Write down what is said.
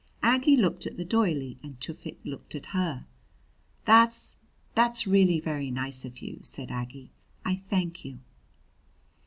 Aggie looked at the doily and Tufik looked at her. "That's that's really very nice of you," said Aggie. "I thank you."